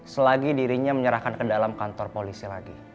selagi dirinya menyerahkan ke dalam kantor polisi lagi